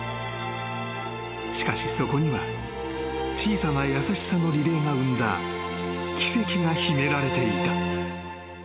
［しかしそこには小さな優しさのリレーが生んだ奇跡が秘められていた］